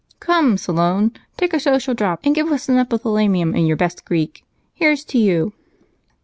"Come, Solon, take a social drop, and give us an epithalamium in your best Greek. Here's to you!"